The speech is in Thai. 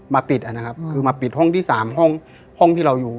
มาปิดอ่ะนะครับคือมาปิดห้องที่๓ห้องที่เราอยู่